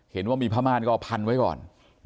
เห็นว่ามีผ้าม่านก็เอาพันไว้ก่อน